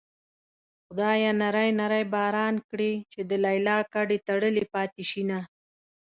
خدايه نری نری باران کړې چې د ليلا ګډې تړلې پاتې شينه